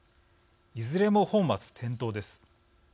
いずれも本末転倒です。